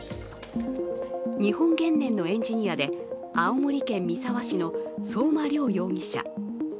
日本原燃のエンジニアで青森県三沢市の相馬諒容疑者。